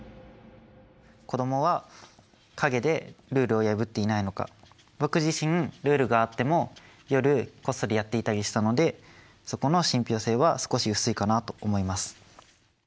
子供は陰でルールを破っていないのか僕自身ルールがあっても夜こっそりやっていたりしたのでそこの信ぴょう性は少し薄いかなと思います。